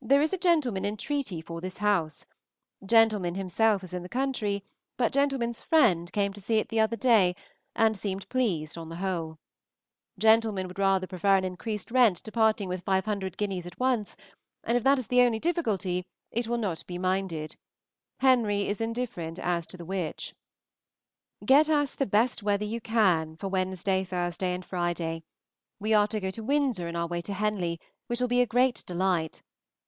There is a gentleman in treaty for this house. Gentleman himself is in the country, but gentleman's friend came to see it the other day, and seemed pleased on the whole. Gentleman would rather prefer an increased rent to parting with five hundred guineas at once, and if that is the only difficulty it will not be minded. Henry is indifferent as to the which. Get us the best weather you can for Wednesday, Thursday, and Friday. We are to go to Windsor in our way to Henley, which will be a great delight.